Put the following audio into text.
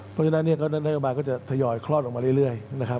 เพราะฉะนั้นนโยบายก็จะทยอยคลอดออกมาเรื่อยนะครับ